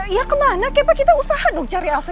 ya kemana kepa kita usaha dong cari alsa